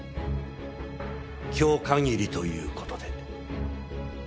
今日限りという事で。